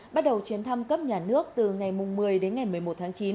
bắt đầu chuyến thăm cấp nhà nước từ ngày một mươi đến ngày một mươi một tháng chín